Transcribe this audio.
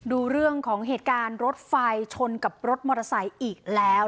ดูเรื่องของเหตุการณ์รถไฟชนกับรถมอเตอร์ไซค์อีกแล้ว